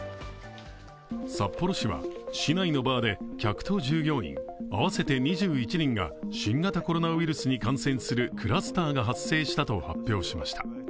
札幌市は市内のバーで客と従業員、合わせて２１人が新型コロナウイルスに感染するクラスターが発生したと発表しました。